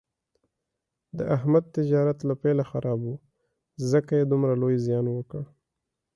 د احمد تجارت له پیله خراب و، ځکه یې دومره لوی زیان وکړ.